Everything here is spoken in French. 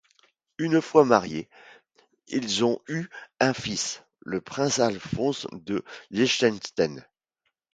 Une fois mariés, ils ont eu un fils, le prince Alphonse de Liechtenstein.